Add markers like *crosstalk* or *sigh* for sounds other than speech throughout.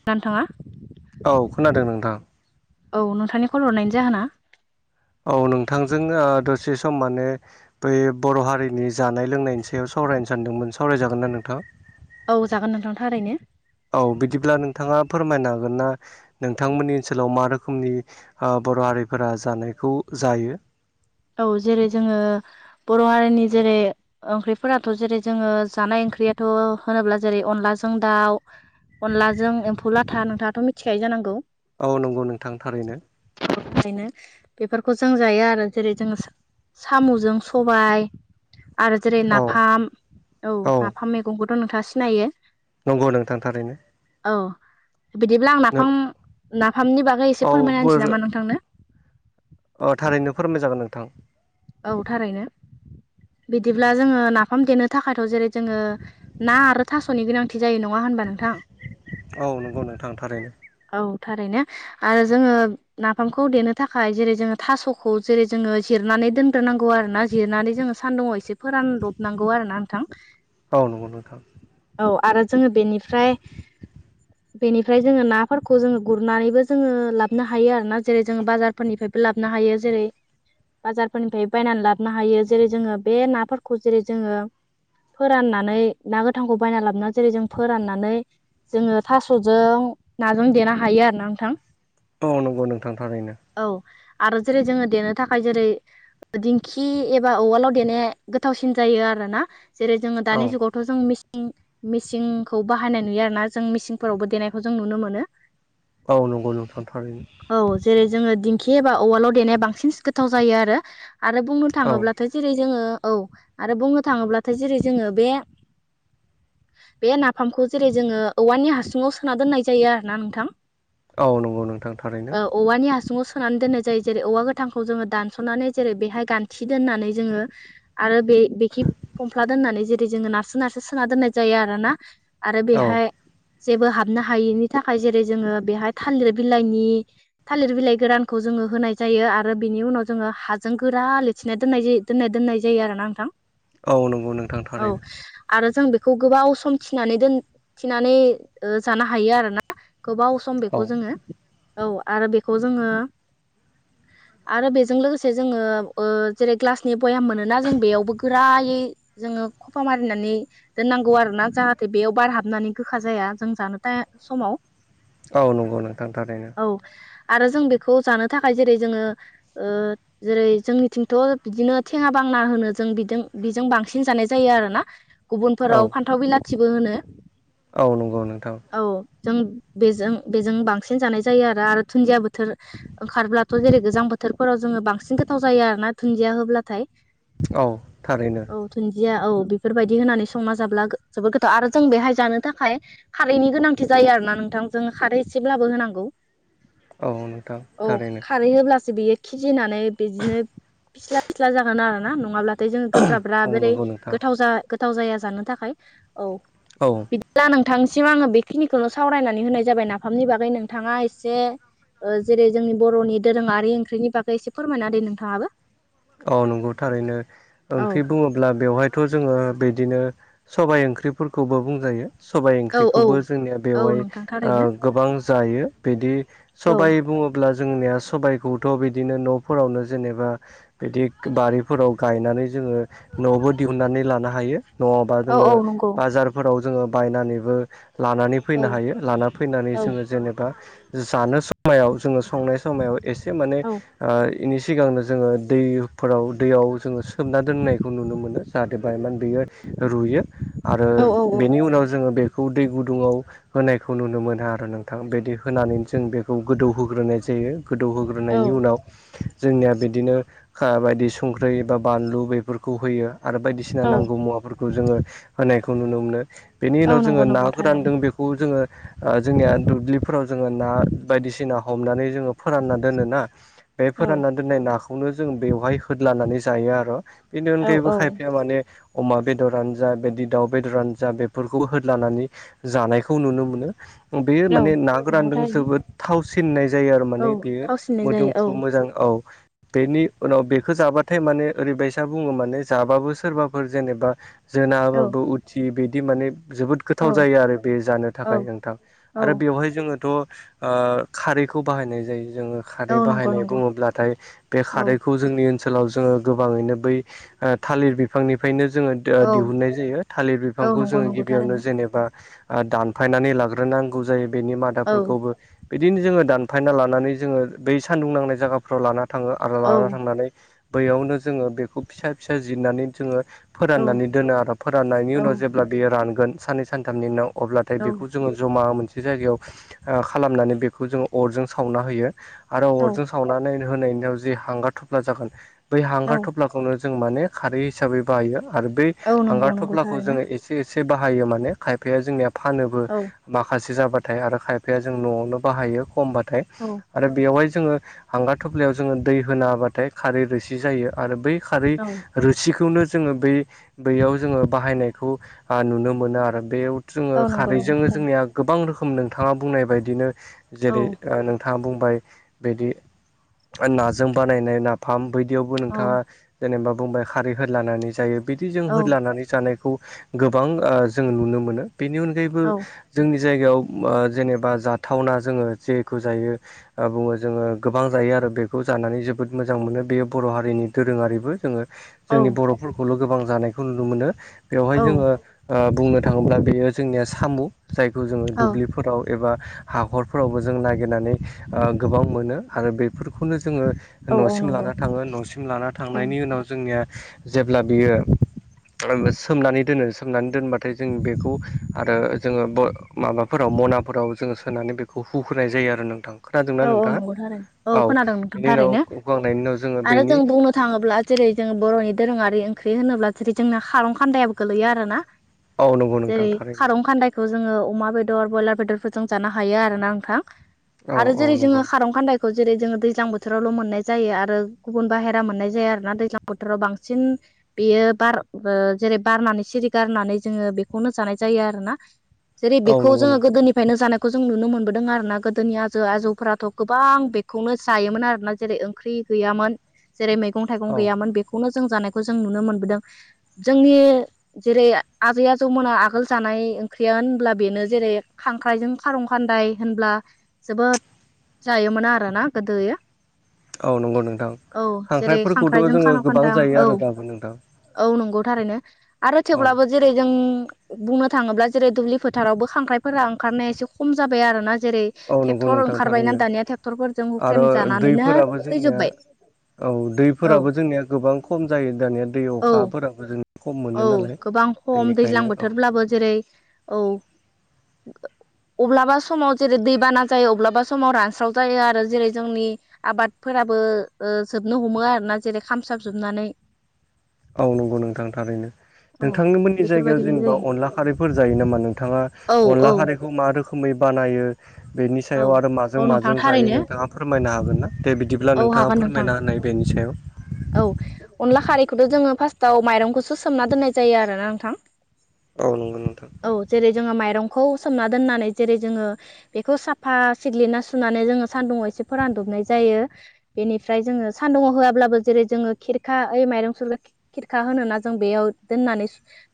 *inaudible* औ खोनादों नोंथां। औ नोंथांनि कल हरनायनि जाहोना औ नोंथांजों दसे सम माने बै बर' हारिनि जानाय लोंनायनि सायाव सावरायनो सानदोंमोन सावरायजागोनना नोंथां। औ जागोन नोंथां थारैनो। औ बिदिब्ला नोंथांङा फोरमायनो हागोन ना नोंथांमोननि ओनसोलाव मा रोखोमनि बर' हारिफोरा जानायखौ जायो? औ जेरै जोंङो बर' हारिनि जेरै ओंख्रिफोराथ' जेरै जोंङो जानाय ओंख्रियाथ' होनोब्ला जेरै अनलाजों दाउ अनलाजों एम्फौ लाथा नोंथाङाथ' मिथिखायो जानांगौ। औ नंगौ नोंथां थारैनो। बेफोरखौ जों जायो आरो। जेरै जोंङो साम'जों सबाय आरो जेरै औ नाफाम औ नाफाम मैगंखौथ' नोंथांङा सिनायो। नंगौ नोंथांथारैनो। औ बिदिब्ला आं नाफाम नाफामनि बागै एसे फोरमायना होनसै नामा नोंथांनो। अ थारैनो फोरमाय जागोन नोंथां। औ थारैनो। बिदिब्ला जोंङो नाफाम देनो थाखायथ' जेरै जोंङो ना आरो थास'नि गोनांथि जायो नंङा होनबा नोंथां औ नंगौ नोंथां थारैनो औ थारैनो। आरो जोंङो नाफामखौ देनो थाखाय जेरै जोंङो थास'खौ जेरै जोंङो जिरनानै दोन नांगौ आरो ना जिरनानै जोंङो सानदुुंङाव एसे फोरानलबनांगौ आरो ना नोंथां। औ। औ आरो जोंङो बेनिफ्राय *inaudible* बेनिफ्राय जोङो नाफोरखौ जोङो गुरनानैबो जोङो लाबनो हायो आरोना जेरै जोङो बाजार फोरनिफ्रायबो लाबोनो हायो जेरै फोरनिफ्राय बायनानै लाबोनो हायो जेरै जोङो बे नाफोरखौ जेरै जोङो फोराननानै ना गोथांखौ बायना लाबोन जेरै जों फोराननानै जोङो थास'जों नाजों देनो हायो आरो ना नोंथां औ नंगौ नोंथां थारैनो औ आरो जेरै जोङो देनो थाखाय जेरै दिंखि एबा उवालाव देनाया गोथावसिन जायो आरोना जेरै जोङो औ दानि जुगाव थ' जों मेसिन मिसिंखौ बाहायनाय नुयो आरो ना जों मेसिनफोरावबो देनायखौ जों नुनो मोनो औ नंगौ नोंथां थारैनो औ जेरै जोङो दिंखि एबा उवालाव देनाया बांसिन गोथाव जायो आरो आरो बुंनो औ थाङोब्लाथाय जेरै जोङो औ आरो बुंनो थाङोब्लाथाय जेरै जोङो बे बे नाफामखौ जेरै जोङो औवानि हासुङाव सोना दोननाय जायो आरो ना नोंथां औ नंगौ नोंथां थारैनो ओ औवानि हासुङाव सोनानै दोननाय जायो जेरै औवा गोथांखौ जोङो दानस'नानै जेरै बेहाय गान्थि दोननानै जोङो आरो बे बेखि फमफ्ला दोननानै जेरै जोङो ना सो नारसो सोना दोननाय जायो आरोना आरो औ बेहाय जेबो हाबनो हायिनि थाखाय जेरै जोङो बेहाय थालिर बिलाइनि थालिर बिलाइ गोरानखौ जोङो होनाय जायो आरो बिनि उनाव जोङो हा जों गोरा लेथिनाय दोननाय जायो दोननाय दोननाय जायो आरो ना नोंथां औ नंगौ नोंथां औ थारैनो आरो जों बेखौ गोबाव सम थिनानै दोन थिनानै ओ जानो हायो आरो ना गोबाव बेखौ औ जोङो औ आरो बेखौ जोङो आरो बेजों लोगो से जोङो ओ जेरै ग्लासनि बयाम मोनोना जों बेयावबो गोरायै जोङो खफा मारिनानै दोननांगौ आरो ना जाहाथे बेयाव बारहाबनानै गोखा जाया जों जानो था समाव औ नंगौ नोंथां थारैनो औ आरो जों बेखौ जानो थाखाय जेरै जोङो ओ जेरै जोंनिथिंथ' बिदिनो थेङा बांना होनो जों बिजों बिजों बांसिन जानाय जायो आरो ना औ गुबुनफोराव फान्थाव बिलाथिबो होनो औ नंगौ नोंथां औ जों बेजों बेजों बांसिन जानाय जायो आरो आरो दुुनदियाबो बोथोर ओंखारब्लाथ' जेरै गोजां बोथोरफोराव जोङो बांसिन गोथाव जायो आरो ना दुन्दिया होब्लाथाय औ थारैनो औ दुुनदिया औ बेफोरबायदि होनानै संना जाब्ला जोबोर गोथाव आरो जों बेहाय जानो थाखाय खारैनि गोनांथि जायो आरो ना नोंथां जों खारै एसेब्लाबो होनांगौ औ नोंथां औ थारैनो खारै होब्लासो बेयो खिजिनानै बिदिनो फिस्ला फिस्ला जागोन आरोना नङाब्ला दैजों गोब्राब्रा औ बोरै नंगौ नोंथां गोथाव गोथाव जाया जानो थाखाय औ औ बिदिब्ला नोंथांनिसिम आङो बेखिनिखौनो सावरायनानै होनाय जाबाय नाफामनि बागै नोंथाङा एसे ओ जेरै जोंनि बर'नि दोरोङारि ओंख्रिनि बागै एसे फोरमायना होदो नोंथाङाबो औ नंगौ थारैनो औ ओंख्रि बुङोब्ला बेवहाय थ' जोङो बिदिनो सबाय ओंख्रिफोरखौबो बुंजायो सबाइ औ औ ओंख्रिखौबो जोंनिया औ बेवहाय नोंथां ओ थारैनो गोबां जायो बिदि औ सबाइ बुङोब्ला जोंनिया सबायखौथ' बिदिनो न'फोरावनो जेनेबा बिदि बारिफोराव गायनानै जोङो न'आवबो दिहुननानै लानो हायो नङाबा औ जोङो औ नंगौ बाजारफोराव जोङो बायनानैबो लानानै औ फैनो हायो लाना फैनानै औ जोङो जेनेबा जानो समायाव जोङो संनाय समाव एसे माने ओ इनि सिगांनो जोङो दैफोराव दैयाव जोङो सोमना दोननायखौ नुनो मोनो जाहाथे बायमान बेयो रुयो आरो औ औ बेनि उनाव जोङो बेखौ दै गुदुङाव होनायखौ नुनो मोना आरो नोंथां बिदि होनानै जों बेखौ गोदौहोग्रोनाय जायो। गोदौहोग्रोनायनि औ उनाव जोंनिया बिदिनो ओ बायदि संख्रि बा बानलु बेफोरखौ होयो आरो बायदिसिना औ नांगौ मुवाफोर खौ जोङो होनायखौ नुनो मोनो बेनि औ उनाव नंगौ जोङो ना नंगौ गोरानदों थारैनो बेखौबो जोङो आं जोंनिया दुब्लिफोराव जोङो ना बायदिसिना हमनानै जोङो फोरानना दोनोना बे फोरानना दोननाय नाखौनो जों बेवहाय होदलानानै जायो आरो। इनि औ अनगायैबो औ खायफाया माने अमा बेदरानो जा बिदि दाउ बेदरानो जा बेफोरखौ होदलानानै जानायखौ नुनो मोनो बे औ माने ना नंगौ गोरानदों थारैनो जोबोद थावसिननाय जायो आरो औ माने बेयो थावसिननाय जायो मोदोमफ्रु मोजां औ बेनि उनाव बेखौ जाबाथाय माने ओरैबायसा बुङो माने जाबाबो सोरबाफोर जेनेबा औ जोनाबाबो उथि बिदि माने जोबोद गोथाव औ जायो आरो बे जानो औ थाखाय नोंथां औ आरो बेवहाय जोङोथ' आ खारैखौ बाहायनाय जायो जोङो औ खारै नंगौ बाहायनाय नंगौ बुङोब्लाथाय बे औ खारै जोंनि ओनसोलाव जोङो गोबाङैनो बै थालिर बिफांनिफ्रायनो जोङो औ दिहुननाय जायो थालिर औ बिफांखौ नंगौ जोङो नंगौ गिबियावनो थारैनो जेनेबा दानफायनानै लाग्रोनांगौ जायो बेनि औ मादाफोरखौबो बिदिनो जोङो दानफायना लानानै जोङो बै सान्दुं नांनाय जायगाफ्राव लाना थाङो आरो औ लाना थांनानै बैयावनो जोङो बेखौ फिसा फिसा जिरनानै जोङो औ फोराननानै दोनो आरो फोराननायनि उनाव जेब्ला बेयो रानगोन साननै सानथामनि उनाव अब्लाथाय औ बेखौ जोङो जमा मोनसे जायगायाव ओ खालामनानै बेखौ जोङो अरजों सावना होयो आरो औ अरजों सावनानै होनायनि उनाव जे हांगार थफ्ला जागोन बै औ हांगार थफ्ला खौनो जों मान खारै हिसाबै बाहायो आरो बेै औ हांगार नंगौ नंगौ थफलाखौ थारैनो जोङो एसे एसे बाहायो माने खायफाया जोंनिया फानोबो औ माखासे जाबाथाय आरो खायफाया जों न'आवनो बाहायो खमबाथाय। औ आरो बेवहाय जोङो हांगार थफ्लायाव जोङो दै होन होबाथाय खारै रोसि जायो। आरो बै खारै औ रोसिखौनो जोङो बै बैयाव जोङो बाहायनायखौ नुनो मोनो आरो बेयाव जोङो औ नंगौ नंगौ खारैजों थारैनो जोंनिया गोबां रोखोम नोंथाङा बुंनाय बायदिनो औ जेरै नों नोंथाङा बुंबाय बिदि नाजों बानायनाय नाफाम बायदियावबो औ नोंथाङा जेनेबा बुंबाय खारै होलानानै जायो बिदि जों औ हलानानै जानायखौ गोबां जो नुनो मोनो बेनि अनगायैबो औ जोंनि जायगायाव जेनेबा जाथावना जोङो जेखौ जायो बुङो जोङो गोबां जायो आरो बेखौ जानानै जोबोद मोजां मोनो बेयो बर' हारिनि दोरोङारिबो जोङो औ जोंनि बर'फोर खौल' गोबां जानायखौ नुनो मोनो बेवहाय औ जोङो बुंनो थाङोब्ला बेयो जोंनिया सामु जायखौ जोङो दुब्लिफोराव एबा हाखरफोरावबो जों नागिरनानै ओ गोबां मोनो आरो बेफोरखौनो जोङो औ न'सिम नंगौ लाना थाङो न'सिम लाना औ थांनायनि उनाव जोंनिया जेब्ला बियो सोमनानै दोनो सोमनानै दोनबाथाय जों बेखौ आरो जोङो माबाफोराव मनाफोराव जोङो सोनानै बेखौ हुख्रोनाय जायो आरो नोंथां। खोनादोंना औ औ नोंथाङा नंगौ थारैनो औ खोनादों नोंथां बेनि उनाव थारैनो हुखांनायनि उनाव जोङो आरो बेनि जों बुंनो थाङोब्ला जेरै जों बर'नि दोरोङारि ओंख्रि होनोब्ला जेरै जोंना खारं खान्दायाबो गोलैयो आरोना। औ नंगौ नोंथां जेरै थारैनो खारं खान्दायखौ जोङो अमा बेदर ब्रयलार बेदरफोरजों जानो हायो आरोना नोंथां औ आरो औ जेरै जोङो नंगौ खारं खान्दाय खौ जेरै जोङो दैज्लां बोथोरावल मोननाय जायो आरो गुबुन बाहेरा मोननाय जायो आरोोना दैज्लां बोथोराव बांसिन बेयो बार ओ जेरै बारनानै सिरि गारनानै जोङो बेखौनो जानाय जायो आरोना जेरै औ बेखौ नंगौ जोङो नोंथां गोदोनिफ्रायनो जानायखौ जों नुनो मोनबोदों आरो ना गोदोनिया आजौ आजौफ्राथ गोबां बेखौनो जायोमोन आरोना जेरै ओंख्रि गैयामोन जेरै मैगं थाइगं औ गैयामोन बेखौनो जों जानायखौ जों नुनो मोनबोदों जोंनि जेरै आजै आजौमोना आगोल जानाय ओंख्रिया होनब्ला बेनो जेरै खांख्राइजों खारं खानदाय होनब्ला जोबोद जायोमोनो आरोना गोदोयो औ नंगौ नोंथां औ जेरै खांख्राइफोरखौथ' खांख्राइजों जोङो खारं गोबां खानदां जायो औ आरो दाबो नोंथां औ नंगौ थारैनो आरो औ थेवब्लाबो जेरै जों बुंनो थाङोब्ला जेरै दुब्लि फोथारावबो खांख्राइफोरा ओंखारनाया एसे खम जाबाय आरो ना जेरै औ नंगौ ट्रेक्टर नोंथां ओंखारबायना थारैनो दानिया ट्रेक्टरफोरजों आरो हुख्रेम जानानैनो दैफोराबो जोंनिया थैजोबबाय औ दैफोराबो जोंनिया गोबां खम जायो दानिया दै औ अखाफोराबो जों खम मोनो औ नालाय गोबां खम दैज्लां बेनिखायनो औ बोथोरब्लाबो जेरै औ अब्लाबा समाव जेरै दैबाना जायो अब्लाबा समाव रानस्राव जायो आरो जेरै जोंनि आबादफोराबो ओ जोबनो हमो आरोना जेरै खामसाबजोबनानै औ नंगौ नोंथां थारैनो औ नोंथांमोननि जायगायाव बेफोरबायदिनो जेनेबा जायो अनला खारैफोर जायो नामा नोंथाङा औ अनला औ खारै खौ मा रोखोमै बानायो बेनि औ सायाव आरो माजों औ नोंथां माजों जायो थारैनो नोंथाङा फोरमायनो हागोन ना दे बिदिब्ला औ नों थाङा हागोन नोंथां फोरमायना होननाय बेनि सायाव औ अनला खारैखौथ जोङो फार्स्टआव माइरंखौसो सोमना दोननाय जायो आरोना नोंथां औ नंगौ नोंथां औ जेरै जोङो माइरंखौ सोमना दोननानै जेरै जोङो बेखौ सा फा सिग्लिना सुनानै जोङो सान्दुंवाव एसे फोरानदबनाय जायो बेनिफ्राय जोङो सान्दुुंवाव होआब्लाबो जेरै जोङो खेरखा ओइ माइरं सुग्रा खि खिरखा होनना जों बेयाव दोननानै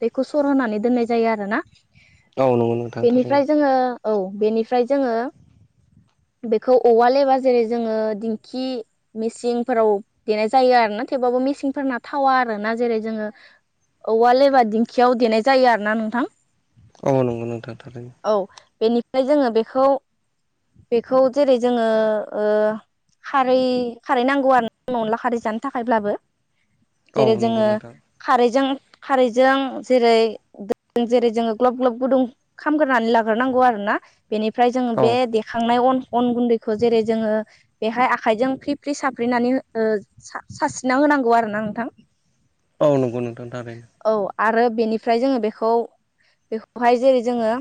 बेखौ सर होनानै दोननाय जायो आरोना औ नंगौ नोंथां थारैनो बेनिफ्राय जोङो औ बेनिफ्राय जोङो बेखौ औवाल एबा जेरै जोङो दिंखि मेसिंफोराव देनाय जायो आरोना थेवबाबबो मेसिंफोरना थावा आरोना जेरै जोङो औवाल एबा दिंखियाव देनाय जायो आरोना नोंथां औ नंगौ नोंथां थारैनो औ बेनिफ्राय जोङो बेखौ बेखौ जेरै जोङो ओ खारै खारै नांगौ आरोना अनला खारै जानो थाखायब्लाबो औ जेरै जोङो नंगौ नोंथां खारैजों खारैजों जेरै जेरै जोङो ग्लब ग्लब गुदुं खामग्रोनानै लाग्रोनांगौ आरोना बेनिफ्राय जोङो औ बे देखांनाय अन अन गुन्दै खौ जेरै जोङो बेहाय आखाइजों फ्रि फ्रि साफ्रिनानै ओ सारस्रिना होनांगौ आरोना नोंथां औ नंगौ नोंथां थारै औ आरो बेनिफ्राय जोङो बेखौ बेखौहाय जेरै जोङो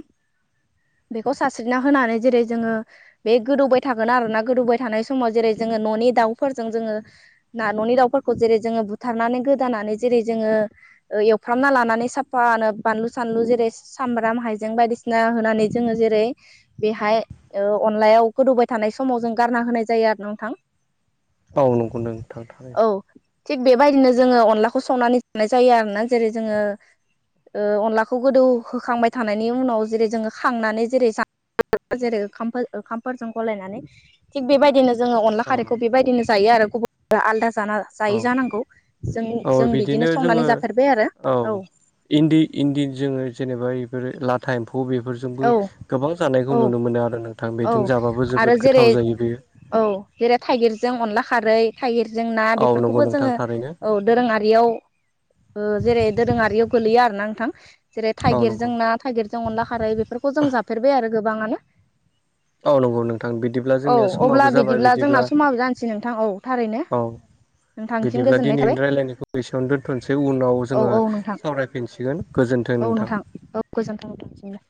बेखौ सारस्रिना होनानै जेरै जोङो बे गोदौबाय थागोन आरोना गोदौबाय थानाय समाव जेरै जोङो न'नि दाउफोरजों जोङो ना न'नि दावउफोरखौ जेरै जोङो बुथारनानै गोदानानै जेरै जोङो ओ एवफ्रामना लानानै साफानो बानलु सानलु जेरै सामब्राम हाइजें बायदिसिना होनानै जोङो जेरै बेहाय ओ अनलायाव गोदौबाय थानाय समाव जों गारना होनाय जायो आरोना नोंथां औ नंगौ नोंथां थारैनो औ थिग बेबायदिनो जोङो अनलाखौ संनानै जानाय जायो आरोना जेरै जोङो अनलाखौ गोदौ होखांबाय थानायनि उनाव जेरै जोङो खांनानै जेरै जा जेरै खामफोरजों गलायनानै थिग बेबायदिनो जोङो अनला औ खारैखौ नंगौ। बेबायदिनो जायो आरो गुबुन आलादा जाना जायो औ जानांगौ जों औ जों बिदिनो जोङो संनानै जा औ इन्दि इन्दि जोङो जेनेबा बेफोरो लाथा एम्फौ बेफोर जोंबो औ गोबां जानायखौ औ नुनो मोनो आरो नोंथां औ बेजों जाबाबो आरो जोबोद जेरै गोथाव जायो बेयो औ जेरै थाइगिरजों अनला खारै थाइगिरजों ना औ नंगौ बेफोरखौबो नोंथां जोङो थारैनो औ दोरोङारियाव जेरै दोरोङारियाव गोलैयो आरोना नोंथां जेरै औ नंगौ थाइगिरजों ना थाइगिरजों अनला खारै बेफोरखौ जों जाफेरबाय आरो गोबाङानो औ नंगौ नोंथां बिदिब्ला औ जोंनिया अब्ला समाबो जाबाय बिदिब्ला जोंना समाबो जानोसै नोंथां औ थारैनो औ नोंथांसिम बिदिब्ला गोजोननाय थाबाय दिनैनि रायल्लायनायखौ बेसेयावनो दोनथ'नोसै उनाव औ जोङो औ नोंथां सावरायफिनसिगोन गोजोन्थों औ नोंथां औ गोजोन्थों नोंथांनिसिमबो